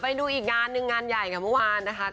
ไปดูอีกงานหนึ่งงานใหญ่กับเมื่อวานนะคะ